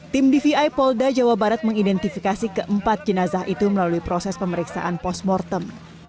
tim dvi polda jawa barat mengidentifikasi keempat jenazah itu melalui proses pemeriksaan post mortem